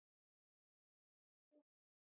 په افغانستان کې د کابل سیند شتون لري.